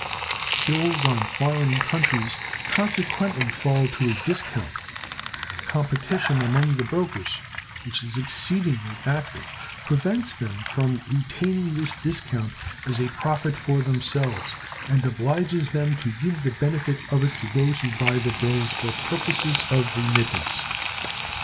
Bills on foreign countries consequently fall to a discount; and the competition among the brokers, which is exceedingly active, prevents them from retaining this discount as a profit for themselves, and obliges them to give the benefit of it to those who buy the bills for purposes of remittance.